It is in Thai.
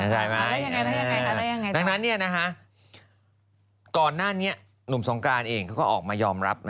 หากนั้นนี้ก่อนหน้านี้ลูกสองกรานเองก็ออกมายอมรับ